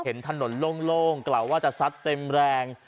เห็นถนนโล่งกล่าวว่าจะซัดเต็มแรง